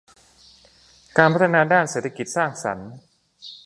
การพัฒนาด้านเศรษฐกิจสร้างสรรค์